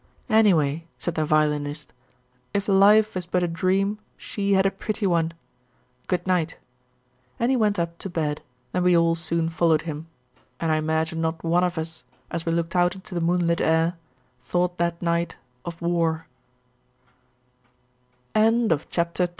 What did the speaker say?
"Anyway," said the Violinist, "if Life is but a dream, she had a pretty one. Good night." And he went up to bed, and we all soon followed him, and I imagine not one of us, as we looked out into the moonlit air, thought that night of